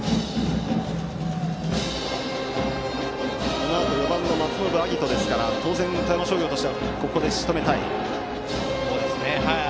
このあと４番の松延晶音ですから当然、富山商業としてはここでしとめたいですね。